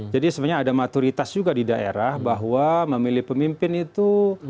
sebenarnya ada maturitas juga di daerah bahwa memilih pemimpin itu